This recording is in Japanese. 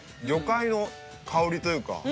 魚介の香りというか。